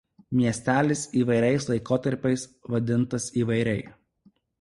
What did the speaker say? Miestelis įvairiais laikotarpiais vadintas įvairiai.